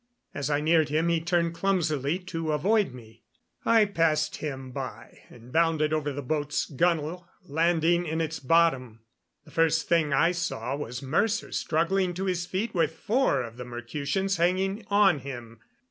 As I neared him he turned clumsily to avoid me. I passed him by and bounded over the boat's gunwale, landing in its bottom. The first thing I saw was Mercer struggling to his feet with four of the Mercutians hanging on him.